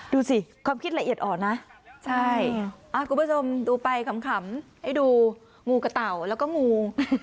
ดูสิความคิดละเอียดอ่อนนะใช่คุณผู้ชมดูไปขำให้ดูงูกระเต่าแล้วก็งู